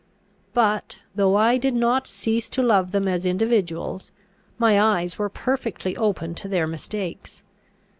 But, though I did not cease to love them as individuals, my eyes were perfectly open to their mistakes.